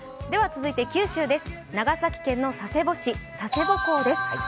続いて九州、長崎県の佐世保市、佐世保港です。